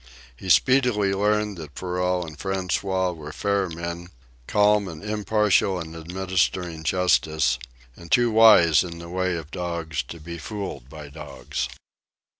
He speedily learned that Perrault and François were fair men, calm and impartial in administering justice, and too wise in the way of dogs to be fooled by dogs.